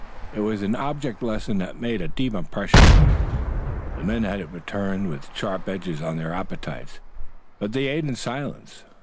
It was an object lesson that made a deep impression on him. The men had returned with sharp edges on their appetites, but they ate in silence.